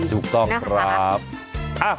ถูกต้องครับนะครับค่ะค่ะค่ะค่ะค่ะค่ะค่ะ